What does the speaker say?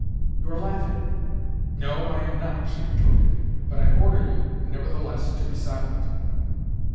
You are laughing!" "No, I am not," she retorted. "But I order you, nevertheless, to be silent."